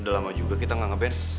udah lama juga kita nggak nge ban